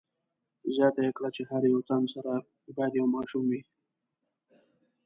زیاته یې کړه چې هر یو تن سره باید یو ماشوم وي.